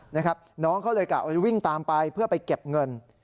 นะครับน้องเขาเลยกลับวิ่งตามไปเพื่อไปเก็บเงิน